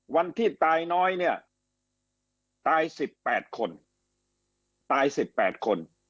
วันที่ตายน้อยตาย๑๘คน